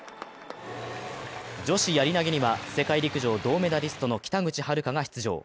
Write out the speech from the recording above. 女子やり投には世界陸上銅メダリストの北口榛花が出場。